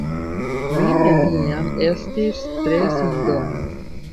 Mi neniam estis tre sindona.